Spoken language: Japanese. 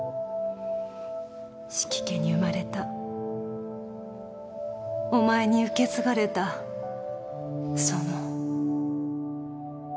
四鬼家に生まれたお前に受け継がれたその